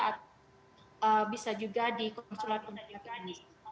atau bisa juga di konsulat universitas